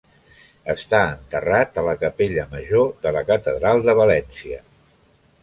Està enterrat a la capella major de la catedral de València.